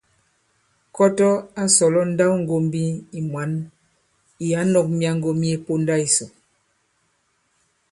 Kɔtɔ a sɔ̀lɔ nndawŋgōmbi ì mwǎn ì ǎ nɔ̄k myaŋgo mye ponda yisò.